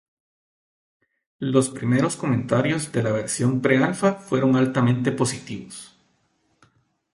Los primeros comentarios de la versión pre-alfa fueron altamente positivos.